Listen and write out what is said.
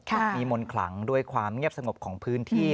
มีมนต์ขลังด้วยความเงียบสงบของพื้นที่